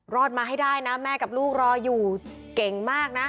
รอดมาให้ได้นะแม่กับลูกรออยู่เก่งมากนะ